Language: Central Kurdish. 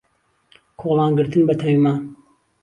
کۆڵان گرتن بە تەیمان